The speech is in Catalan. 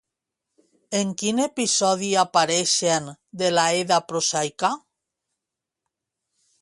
En quin episodi apareixen de la Edda prosaica?